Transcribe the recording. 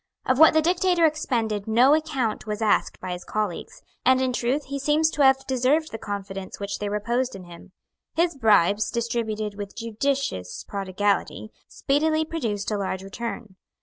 Of what the Dictator expended no account was asked by his colleagues; and in truth he seems to have deserved the confidence which they reposed in him. His bribes, distributed with judicious prodigality, speedily produced a large return.